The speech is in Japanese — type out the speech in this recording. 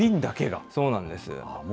そうなんです。